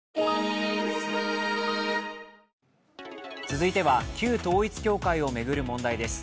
続いては、旧統一教会を巡る問題です。